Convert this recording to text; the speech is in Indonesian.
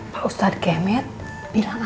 pak ustadz kemet bilang apa